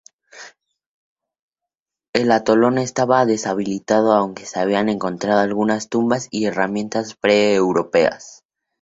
El atolón estaba deshabitado, aunque se habían encontrado algunas tumbas y herramientas pre-europeas.